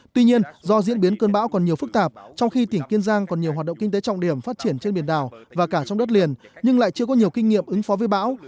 tuy nhiên do diễn biến cơn bão còn nhiều phức tạp trong khi tỉnh kiên giang còn nhiều hoạt động kinh tế trọng điểm phát triển trên biển đảo và cả trong đất liền nhưng lại chưa có nhiều kinh nghiệm ứng phó với bão